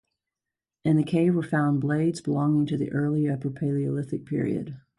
In the cave were found blades belonging to the Early Upper Paleolithic period.